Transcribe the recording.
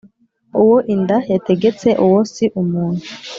uwo inda yategetse uwo si umuntu